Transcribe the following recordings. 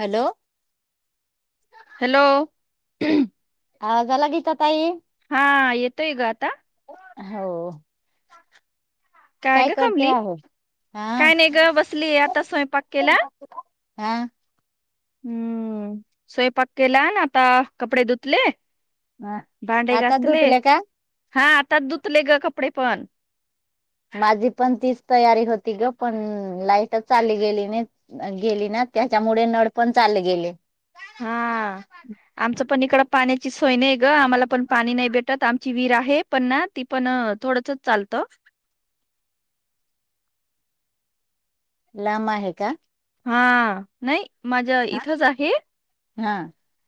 Hello hello आवाज आला गीता ताई हा येतोय ग आता हो काय ग करते कमली आहे हा काय नाही ग बसली आता स्वयंपाक केला हा हम्म स्वयंपाक केला ना आता कपडे धुतले हा. भांडे आता घासले धुतले का हा आता धुतले ग कपडे पण माझी पण तीच तयारी होती ग पण लाईटच चाली गेली नाही गेली ना त्याच्यामुळे नळ पण चालले गेले हा आमचं पण इकडं पाण्याची सोय नाही ग आम्हाला पण पाणी नाही भेटत आमची विहीर आहे पण ना ती पण थोडस चालतं लांब आहे का हा नाही माझ हा इथंच आहे हा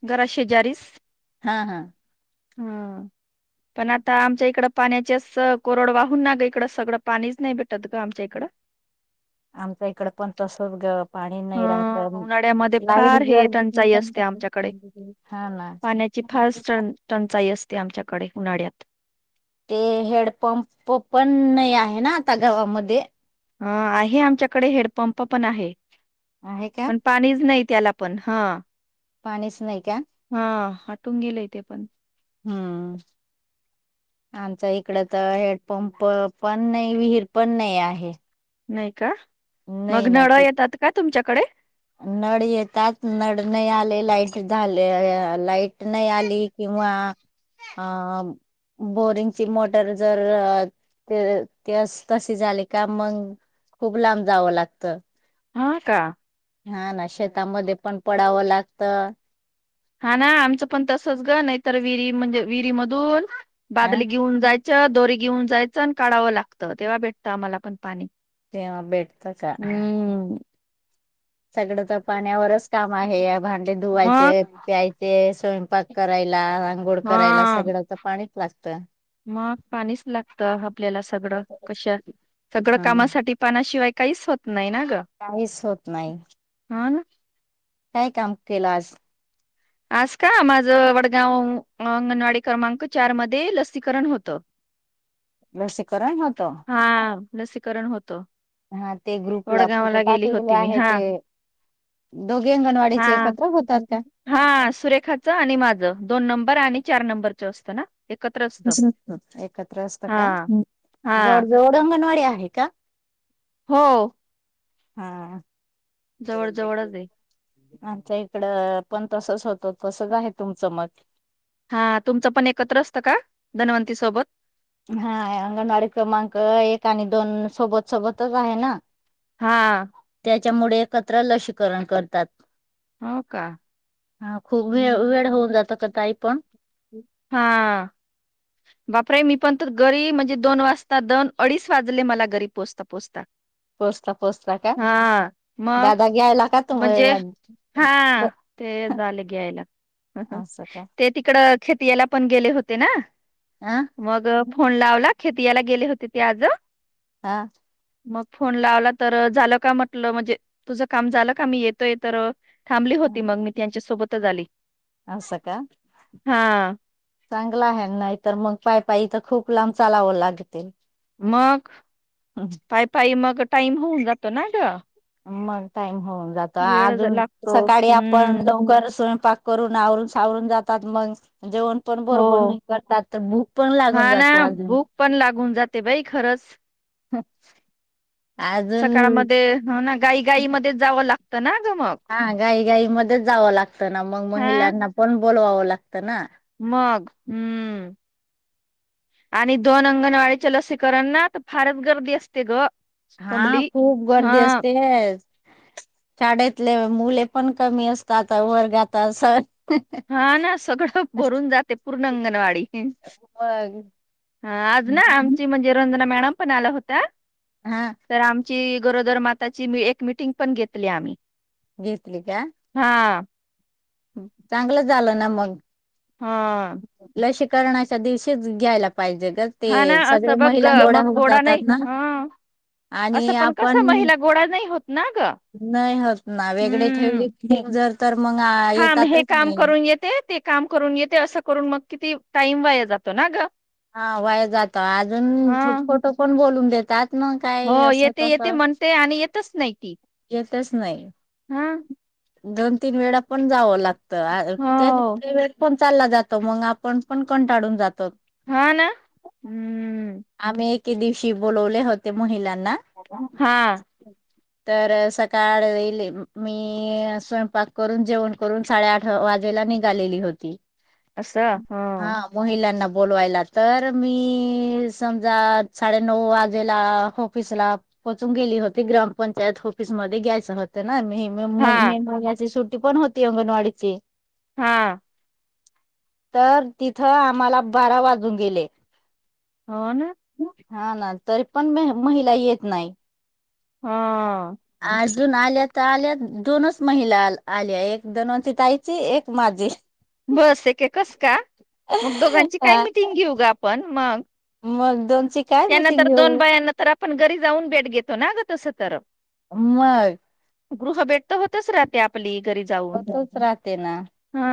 घरा शेजारीस हा हा हम् पण आता आमच्या इकडं पाण्याचेच कोरड वाहून ना ग इकडं सगळं पाणीच नाही भेटत ग आमच्या इकडं. आमच्या इकड पण तसच ग पाणी नाही राहत हा उन्हाळ्यामध्ये लाईट फार हे जर.. टंचाई असते आमच्याकडे हा ना पाण्याची फार टंचाई असते आमच्याकडे उन्हाळ्यात ते हेडपंप पण आहे ना आता गावामध्ये ह आहे आमच्याकडे हेडपंप पण आहे. आहे का पण पाणीच नाही त्याला पण हा. पाणीच नाही का हा हटून गेलंय ते पण हम्म आमच इकड तर हेडपंप पण नाही विहीर पण नाही आहे. नाही का मग नाही ना नळां ते येतात का तुमच्याकडे. नळ येतात नळ नाही आले लाईट झाले लाईट नाही आली. किंवा अ बोरिंगची मोटर जर ते ते तसे झाली का मग खूप लांब जावं लागतं हा का हा ना शेतामध्ये पण पडावं लागतं हा ना आमचं पण तसच ग नाहीतर विहिरी म्हणजे विहिरी मधून अ बादल घेऊन जाय दोरी घेऊन जायचं आणि काढावं लागतं तेव्हा भेटतं आम्हाला पण पाणी ते बेटता का हम्म सगळ तर पाण्यावरच काम आहे भांडे धुवायचे मग प्यायचे. ते स्वयंपाक करायला अंगोळ करायला हा सगळं तर पाणीच लागतं. मग पाणीच लागतं आपल्याला सगळं कशा सगळं हा कामासाठी पाणाशिवाय काहीच होत नाही ना गं. काहीच होत नाही. हा ना काय काम केलं आज आज का माझं वडगाव अंगणवाडी क्रमांक चार मध्ये लसीकरण होतं. लसीकरण होत. हा लसीकरण होतो. हा ते ग्रुपला फोटो टाकलेले मी आहे हा ते. दोघे हा अंगणवाडीचे एकत्र होतात का हा सुरेखाचं आणि माझं दोन नंबर आणि चार नंबरचं असतं ना एकत्र असतं नत एकत्र असत का हा हा जवळ जवळ अंगणवाडी आहे का. हो हा जवळ जवळच आहे आता इकडं पण तसच होत तसच आहे तुमचं मग हा तुमचं पण एकत्र असतं का धनवंती सोबत हा अंगणवाडी क्रमांक एक आणि दोन सोबत सोबतच आहे ना. हा त्याच्यामुळे एकत्र लसीकरण करतात. हो का हा खूप वे हम्म. वेळ होऊन जातो का ताई पण हा [unintelligible] बापरे मी पण तर घरी म्हणजे दोन वाजता दोन अडीच वाजले मला घरी पोहोचता पोचता. पोचता पोचता का हा मग दादा घ्यायला का तुम म्हणजे हा ते झाले घ्यायला असं का ते तिकड खेतीयाला पण गेले होते ना. अ खेतीयाला गेले होते ते आज. हा. मग फोन लावला तर, झालं का म्हटलं, म्हणजे तुझं काम झालं का मी येतोय तर थांबली होती, मग मी त्यांच्यासोबतच आली. अस का? हा. चांगला हाय, नाहीतर मग पायपाय तर खूप लांब चालावं लागते. मग पाय पाय मग टाईम होऊन जातो ना ग. मग टाइम होऊन जातो, वेळ जा- अजून लागतो सकाळी आपण हम्म लवकर स्वयंपाक करून आवरून सावरून जातात, मग जेवण पण बरोबर हो नाही करतात, तर भूक पण लागून हा ना, जाते अजून. भूक पण लागून जात ते बाई खरंच. ह. सकाळमध्ये ह ना घाई घाई मध्येच जावं लागतं ना ग मग. हा घाई घाई मध्येच जावं लागतं ना मग हा महिलांना पण बोलवावं लागतं ना. मग हम्म आणि दोन अंगणवाडीच्या लसीकरणना तर फारच गर्दी असते ग हा कमली. खूप हा गर्दी असते. शाळेतले मुले पण कमी असतात, वर्गात अस. हा ना, सगळं भरून जाते पूर्ण अंगणवाडी. व्हग. ह आज ना आमची म्हणजे, रंजना मॅडम पण आला होत्या. हा. तर आमची गरोदर माताची एक मिटिंग पण घेतली आम्ही. घीेतली का? हा. चांगलं झालं ना मग. ह. लशीकरणाच्या दिवशीच घ्यायला पाहिजे ग. ते हा ना असं सगळे बघ महिला गोळ्या मग होऊन गोडा जातात नाही, ना ह, असं आणि पण कस आपण महिला गोळा नाही होत ना ग. नाही होत ना, वेगळे हम्म ठेवले जर तर मग येतातच नाही. ते ते काम करून येते, असं करून मग किती टाईम वाया जातो ना ग. हा वाया जातो, अजून हा खोटं पण बोलून देतात न, काय अस तस. ते आणि येतच नाही ती. येतच नाही हा दोन तीन वेळा पण जावं लाग त, त्या हो वेळ पण चालला जातो, मग आपण पण कंटाळून जातो. हा ना. हम्म. आम्ही एके दिवशी बोलवले होते महिलांना. हा. तर सकाळ मी स्वयंपाक करून जेवण करून साडे आठ वाजेला निघालेली होती, असं हो हा. महिलांना बोलवायला तर मी समजा साडेनऊ वाजेला हो ऑफिसला पोचून गेलेली होती, ग्रामपं त्यात ऑफिसमध्ये घ्यायचं होतं ना, हा मी याची सुट्टी पण होती अंगणवाडीची. हां. तर तिथं आम्हाला बारा वाजून गेले ह ना हा ना तरी पण म महिला येत नाही हा अजून आल्या तर आल्या दोनच महिला आ आल्या एक दोनची ताईची एक माझी बस एके कस का मग दोघांची काय हा, मिीटिंग घेऊ ग आपण मग मग दोन त्यानंतर दोन बायानंतर आपण घरी जाऊन भेट घेतो ना ग तस तर मई गृहभेट तर होतच राहते आपली घरी जाऊन होतच राहते ना हा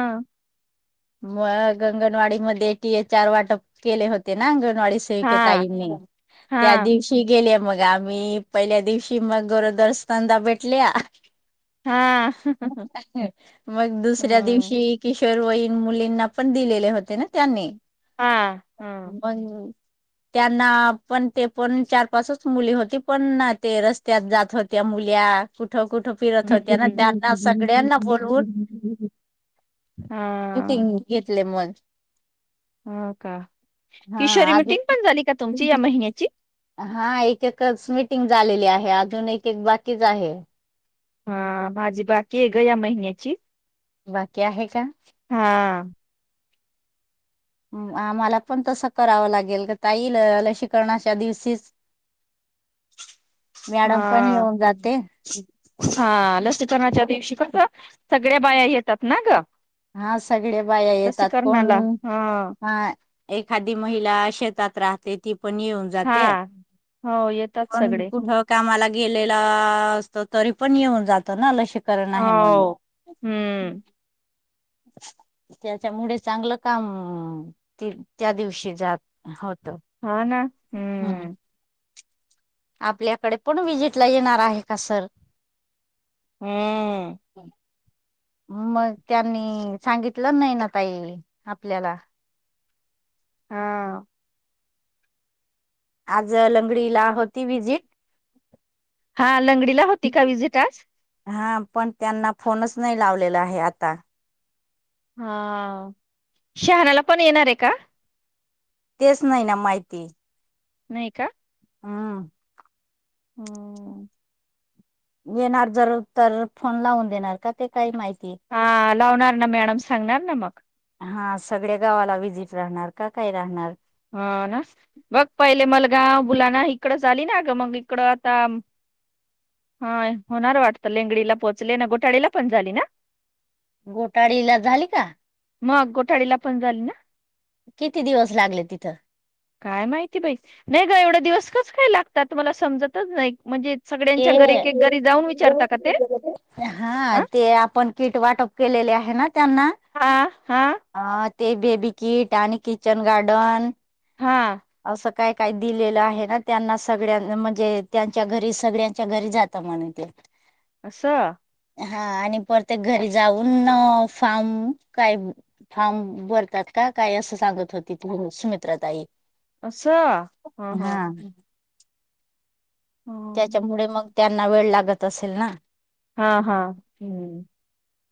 मग अंगणवाडी मध्ये टी ए चार वाटप केले होते ना अंगणवाडी तेक हा ताईनी त्या हा दिवशी गेले मग आम्ही पहिल्या दिवशी मग गरोदर स्ा भेटले हा मग दुसऱ्या हं दिवशी किशोर वयन मुलींना पण दिलेले होते ना त्यांनी हा हा हं बण त्यांना पण ते पण चार पाचच मुली होती पण ते रस्त्यात जात होत्या मुल्या कुठं कुठं फिरत होत्या ना, त्यांना सगळ्यांना बोलवून ह ह [inaudible] मीटिंग घेतले मग. हो का? हा किशोरी आज मिटिंग पण झाली का तुमची या महिन्याची. हा एक एकच मिटिंग झालेली आहे, अजून एक एक बाकीच आहे. हा माजी बाकीय ग या महिन्याची. बाकी आहे का? हा आम्हाला पण तसं करावं लागेलता येईल लशीीकरणाच्या दिवशीच मॅडम पण हा येऊन जाते दनाच्या दिवशी कस सगळ्या बाया येतात ना ग हा सगळे बाया येतात कोण लसीकरणाला हा ह एखादी महिला शेतात राहते ती पण येऊन हा हो येतात सगळे कठ कामाला गेलेला असतो तरी पण येऊन जातो ना ल शिक हो हम्म त्याच्यामुळे चांगलं काम त त्या दिवशी जात होत हा ना हम्म आपल्याकडे पण विजिटला येणार आहे का सर हम् मग त्यांनी सांगितलं नाही ना तई आपल्याला हा आज लंगडीला होती व्हजिट हा लंगडीला होती का विजिटज हा पण त्यांना फोनच नाही लावलेला आहे आता हा शहराला पण येणार आहे का तेच नाही ना माहिती नाही का हम्म हम येणार जर तर फोन लावून देणार का ते काही माहिती हा लावणार ना मॅडम सांगणार ना मग हा सगळ्या गावाला विजिट राहणार का काय राहणार हा नास बघ पहिले मलगाव बुलाणा इकडं झाली ना ग मग इकडं आता हा होणार वाटत लेंगडीला पोचले ना? घुताडी पण झाली ना? गोटाळीला झाली का? मग गोठाडीला पण झाली ना? किती दिवस लागले तिथं? काय माहिती बाई नाही ग एवढा दिवस कास काय लागतात? तुम्हाला मला समजतच नाही म्हणजे सगळ्यांच्या घरी एक एक घरी जाऊन विचारता का ते? अ हा ते आपण किट वाटप केलेले आहे ना त्यांना हा -हा अ ते बेबी किट आणि किचन गार्डन हा असं काय -काय दिलेलं आहे ना त्यांना सगळ्यां म्हणजे त्यांच्या घरी सगळ्यांच्या घरी जात म्हण ते अस..... हा आणि प्रत्येक घरी जाऊन फार्म काय फार्म भरतात का काय? असं सांगत होती त सुमित्रा ताई. अ्छा हा हा हम्म. त्याच्यामुळे मग त्यांना वेळ लागत असेल ना हा हा हम्म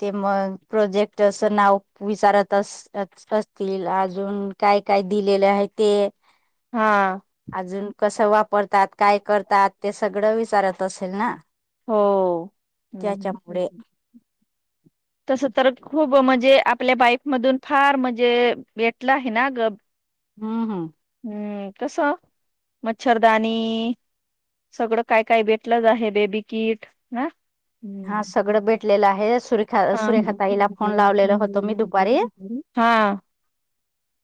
ते मग प्रोजेक्ट असं नाव विचारत अस असतील अजून काय काय दिलेले आहे ते हा अजून कस वापरतात काय करतात ते सगळं विचारत असेल ना? हा घोटाडी ला झाली का? तस तर खूप म्हणजे आपल्या बाईकमधून फार म्हणजे भेटलं आहे ना ग हम्म- हम् हम्म कस मच्छरदानी सगळं काय काय भेटलंच आहे बेबी किट ना हा सगळं भेटलेलं आहे सुरेखा हा- सुरेखाताईला फोन लावलेलं होतो मी दुपारी हा हा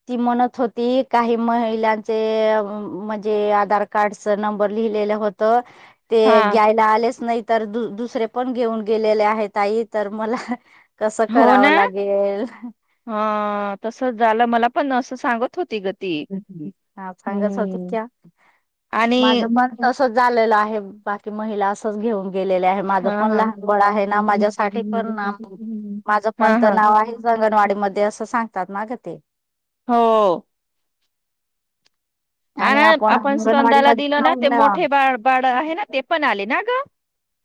ती म्हणत होती काही महिलांचे म्हणजे आधार कार्डच नंबर लिहिलेलं होत ते हा घ्यायला आलेच नाही तर द दुसरे पण घेऊन गेलेले आहेत आई तर मला कसं करावं लागेल? हा तस झालं मला पण असं सांगत होती ग ती हा सांगच होते हम्म का आणि माझ मन तसंच झालेलं आहे बाकी महिला असच घेऊन गेलेल्या आहे माझं हा पण हा लहान बाळ आहे हा ना माझ्यासाठी पण ना माझं पण तर हा नाव आहे अंगणवाडी मध्ये असं सांगतात ना ग ते? हो हा आणि ना आपण स्तंदाला अंगणवाडीमध्ये दिलो ना ते जाऊन मोठे बा बाड आहे ना ते पण आले ना ग?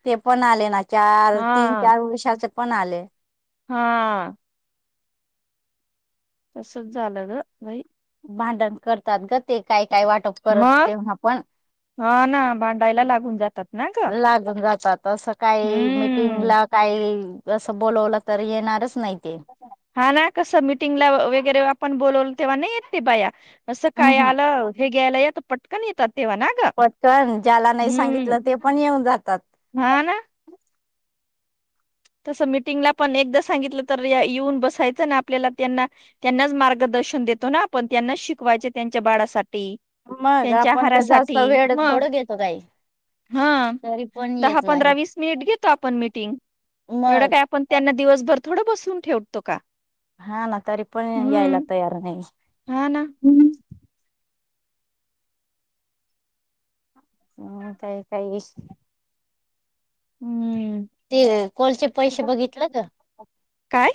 ते पण आले ना चार हा तीन चार वर्षाचे पण आले हा तसच झालं ग बाई. भांडण करतात ग ते काय -काय वाटप परत मग ते पण हा ना भांडायला लागून जातात ना ग आले चार-पाच वर्षाचे तसं काही हम्म मीटिंगला काही असं बोलवलं तर येणारच नाही ते हा ना कसं मीटिंगला वगैरे आपण बोलावलं तेव्हा नाही येते बाया असं काय हम्म आलं हे घ्या ला पटकन येत तेव्हा ना ग पटकन ज्याला नाही हम्म सांगितलं ते पण येऊन जातात हा ना तसं मीटिंगला पण एकदा सांगितलं तर येऊन बसायचं ना आपल्याला त्यांना त्यांनाच मार्गदर्शन देतो ना आपण त्यांनाच शिकवायचे त्यांच्या बाळासाठी मग त्यांच्या आपण का जास्त आहारासाठी वेळ मग थोडं घेतो काही हा तरी पण दहा येत पंधरा नाही. वीस मिनिट घेतो आपण मिीटिंग एवढं काय मग आपण त्यांना दिवसभर थोडं बसून ठेवतो का हा ना तरी पण यायला हम्म तयार नाही हा ना हम्म हम् काही काही हम्म ते कोलचे पैसे बघितलं ग काय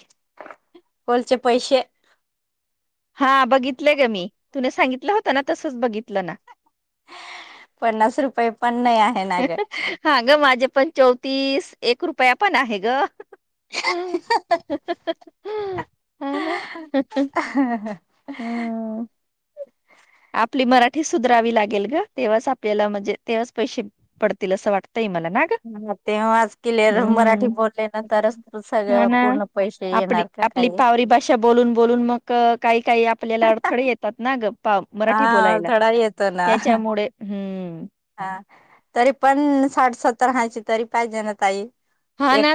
कोलचे पैसे हा बघितलं ग मी तु सांगितलं होत ना तसंच बघितलं ना पन्नास रुपये पण नाही ना ग. हां ग माझे पण चौतीस एक रुपया पण आहे ग हम हा ना ह ह हम आपली मराठी सुधरावी लागेल ग तेव्हाच आपल्याला म्हणजे तेव्हाच पैसे पडतील असं वाटतंई मला ना ग हा तेव्हा क्लिअर मराठी हम्म बोलले ना तरच सगळ पूर्ण पैसे आप येणार का आपली काही पावरी भाषा बोलून बोलून मग काही काही आपल्याला अडथळे येतात ना ग मराठी हा बोलायला थोडा येतो ना. त्याच्यामुळे हम् हा तरी पण साठ सत्तर हायची तरी पाहिजे ना ताई हा एक ना